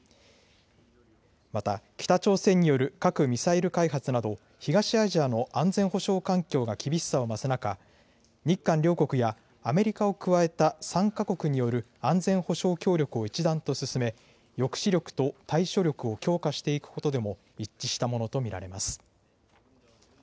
また北朝鮮による核・ミサイル開発など東アジアの安全保障環境が厳しさを増す中、日韓両国やアメリカを加えた３か国による安全保障協力を一段と進め、抑止力と対処力を強化していくことでも一致したものと見られます。